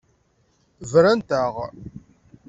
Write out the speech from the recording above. Brant-aɣ.